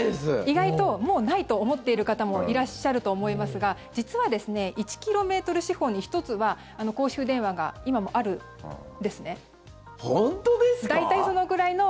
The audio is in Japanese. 意外ともうないと思ってる方もいらっしゃると思いますが実は、１ｋｍ四方に１つは公衆電話が今もあるんですね。